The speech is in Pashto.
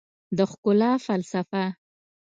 د ښکلا فلسفه